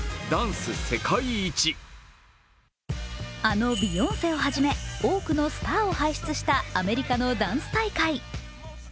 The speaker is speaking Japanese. あのビヨンセをはじめ多くのスターを輩出したアメリカのダンス大会。